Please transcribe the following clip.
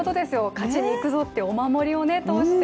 勝ちにいくぞって、お守りを通して。